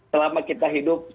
selama kita hidup